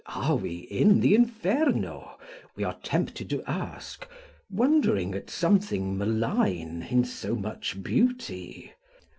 Are we in the Inferno? we are tempted to ask, wondering at something malign in so much beauty.